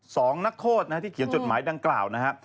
สองนักโฆษณ์ที่เขียนจดหมายดังกล่าวนะครับ